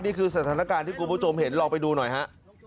นี่คือสถานการณ์ที่คุณผู้ชมเห็นลองไปดูหน่อยฮะ